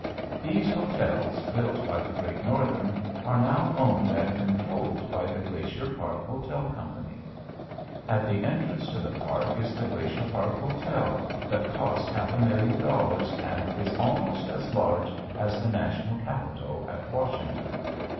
These hotels, built by the Great Northern, are now owned and controlled by the Glacier Park Hotel Company. At the entrance to the park is the Glacier Park Hotel that cost half a million dollars and is almost as large as the National Capitol at Washington.